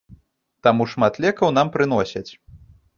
Таму шмат лекаў нам прыносяць.